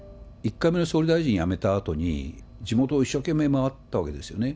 １回目の総理大臣辞めたあとに、地元を一生懸命回ったわけですよね。